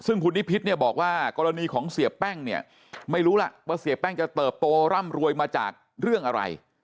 ซึ่งคุณนิพิษเนี่ยบอกว่ากรณีของเสียแป้งเนี่ยไม่รู้ล่ะว่าเสียแป้งจะเติบโตร่ำรวยมาจากเรื่องอะไร